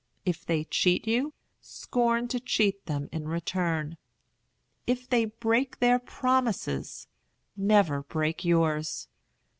If they cheat you, scorn to cheat them in return. If they break their promises, never break yours.